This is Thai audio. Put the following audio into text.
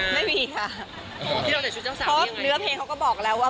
มีชอบแบบว่าขอแต่งงานมีคนใจเล่า